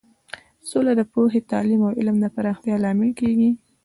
سوله د پوهې، تعلیم او علم د پراختیا لامل کیږي.